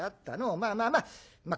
まあまあまあまあ